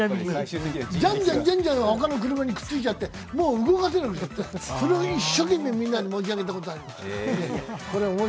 ジャンジャンジャンジャン、他の車にくっついちゃってもう動かせなくなってそれを一生懸命みんなで持ち上げたことがあります。